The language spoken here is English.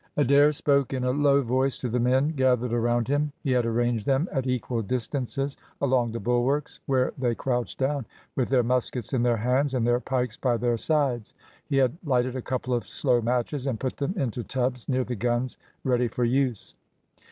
Adair spoke in a low voice to the men gathered around him. He had arranged them at equal distances along the bulwarks, where they crouched down, with their muskets in their hands, and their pikes by their sides. He had lighted a couple of slow matches, and put them into tubs near the guns, ready for use.